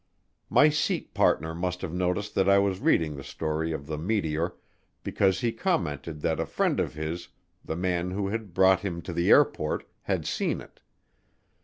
My seat partner must have noticed that I was reading the story of the meteor because he commented that a friend of his, the man who had brought him to the airport, had seen it.